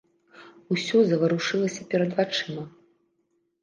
Усё заварушылася перад вачыма.